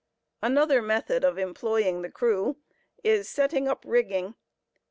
Another method of employing the crew is "setting up" rigging.